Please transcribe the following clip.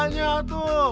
kang jangan kayaknya tuh